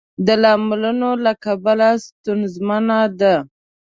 د لاملونو له کبله ستونزمنه ده.